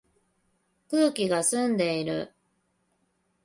空気が澄んでいる